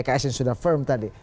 pks yang sudah firm tadi